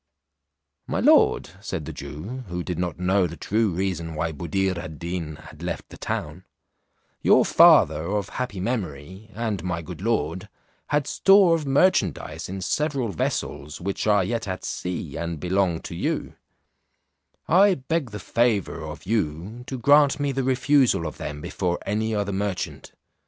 "My lord," said the Jew (who did not know the true reason why Buddir ad Deen had left the town), "your father of happy memory, and my good lord, had store of merchandize in several vessels, which are yet at sea, and belong to you; I beg the favour of you to grant me the refusal of them before any other merchant.